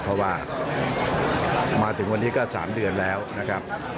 เพราะว่ามาถึงวันนี้ก็๓เดือนแล้วนะครับ